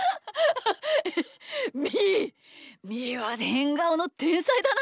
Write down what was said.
みーみーはへんがおのてんさいだな。